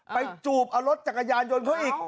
จูบเอารถจักรยานยนต์เขาอีก